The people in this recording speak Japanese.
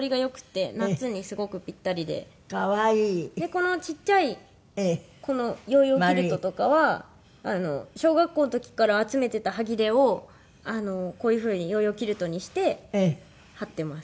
このちっちゃいこのヨーヨーキルトとかは小学校の時から集めてた端切れをこういう風にヨーヨーキルトにして貼ってます。